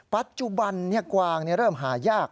ปัจจุบันกวางเริ่มหายาก